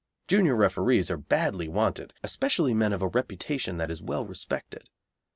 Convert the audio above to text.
Junior referees are badly wanted, especially men of a reputation that is well respected.